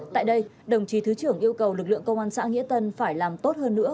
tại đây đồng chí thứ trưởng yêu cầu lực lượng công an xã nghĩa tân phải làm tốt hơn nữa